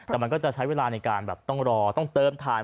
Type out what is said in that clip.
แต่มันก็จะใช้เวลาในการแบบต้องรอต้องเติมทาน